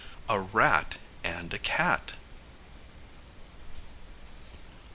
A rat and a cat.